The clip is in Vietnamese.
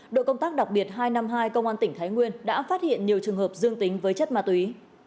đội công tác đặc biệt hai trăm năm mươi hai công an tỉnh thái nguyên đã phát hiện nhiều trường hợp dương tính với chất ma túy